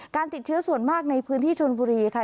การติดเชื้อส่วนมากในพื้นที่ชนบุรีค่ะ